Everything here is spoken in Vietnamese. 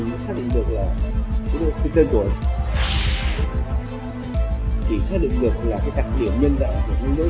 mới xác định được là cái tên tuổi chỉ xác định được là cái đặc điểm nhân đạo của những đối